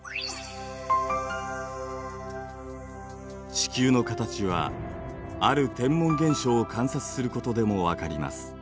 地球の形はある天文現象を観察することでもわかります。